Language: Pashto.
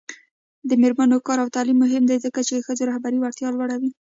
د میرمنو کار او تعلیم مهم دی ځکه چې ښځو رهبري وړتیا لوړوي